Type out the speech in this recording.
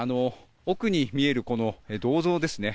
奥に見えるこの銅像ですね。